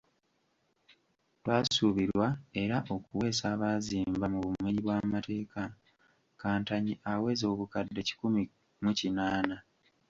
Twasuubirwa era okuweesa abaazimba mu bumenyi bw’amateeka kantanyi aweza obukadde kikuki mu kinaana.